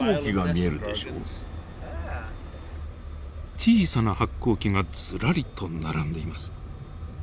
小さな発光器がずらりと並んでいます。